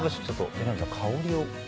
榎並さん、香りを。